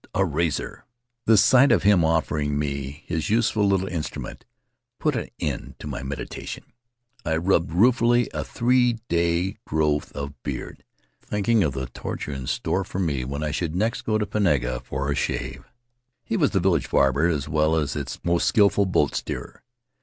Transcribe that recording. A razor!" The sight of him offering me his useful little instru ment put an end to my meditation. I rubbed rue fully a three days' growth of beard, thinking of the torture in store for me when I should next go to Pinga for a shave. He was the village barber, as well as its most skillful boat steerer.